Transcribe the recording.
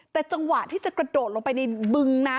แต่จังหวะที่จะกระโดดลงไปในบึงนะ